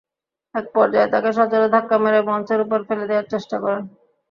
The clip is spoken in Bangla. একপর্যায়ে তাঁকে সজোরে ধাক্কা মেরে মঞ্চের ওপর ফেলে দেওয়ার চেষ্টা করেন।